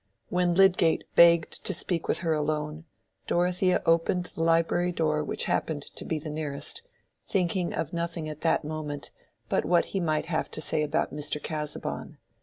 When Lydgate begged to speak with her alone, Dorothea opened the library door which happened to be the nearest, thinking of nothing at the moment but what he might have to say about Mr. Casaubon.